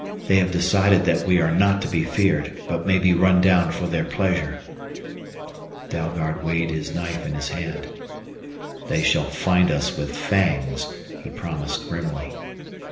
They have decided that we are not to be feared but may be run down for their pleasure." Dalgard weighed his knife in his hand. "They shall find us with fangs," he promised grimly.